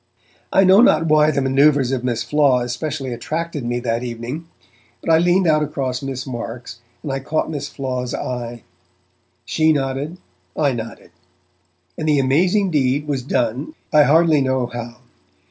I know not why the manoeuvres of Miss Flaw especially attracted me that evening, but I leaned out across Miss Marks and I caught Miss Flaw's eye. She nodded, I nodded; and the amazing deed was done, I hardly know how.